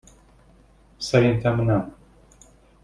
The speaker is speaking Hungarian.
Szerintem nem.